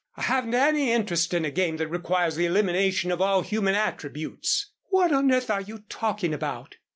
I haven't any interest in a game that requires the elimination of all human attributes." "What on earth are you talking about?"